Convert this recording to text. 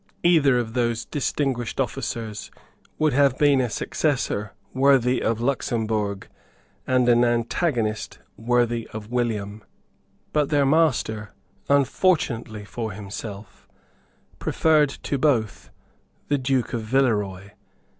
Either of those distinguished officers would have been a successor worthy of Luxemburg and an antagonist worthy of William; but their master, unfortunately for himself, preferred to both the Duke of Villeroy.